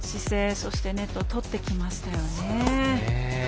そして、ネットを取ってきましたよね。